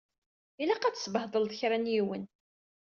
Ilaq ad tsebhedleḍ kra n yiwen.